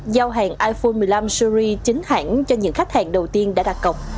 giao hàng iphone một mươi năm series chính hãng cho những khách hàng đầu tiên đã đặt cọc